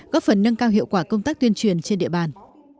góp phần nâng cao hiệu quả công tác tuyên truyền trên địa bàn